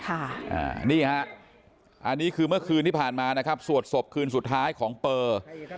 อันนี้ฮะอันนี้คือเมื่อคืนที่ผ่านมานะครับสวดศพคืนสุดท้ายของเปอร์